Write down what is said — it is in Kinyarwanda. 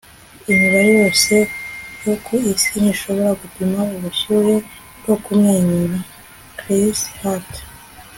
imibare yose yo ku isi ntishobora gupima ubushyuhe bwo kumwenyura. - chris hart